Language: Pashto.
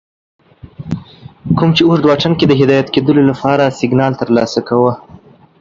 کوم چې اوږد واټن کې د هدایت کېدو لپاره سگنال ترلاسه کوه